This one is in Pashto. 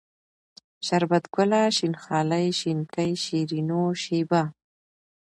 شربت گله ، شين خالۍ ، شينکۍ ، شيرينو ، شېبه